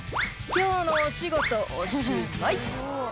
「今日のお仕事おしまい」